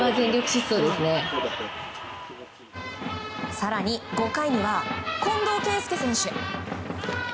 更に５回には近藤健介選手。